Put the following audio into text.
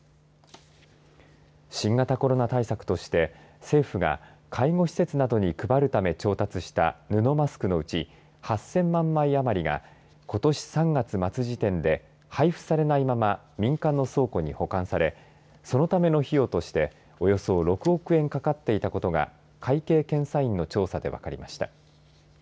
新型コロナ対策として政府が介護施設などに配るために調達した布マスクのうち８０００万枚余りがことし３月末時点で配布されないまま民間の倉庫に保管されそのための費用としておよそ６億円かかっていたことが会計検査院の調査で分かりました。